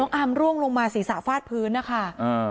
น้องอาร์มร่วงลงมาสี่สาฟาสพื้นนะคะ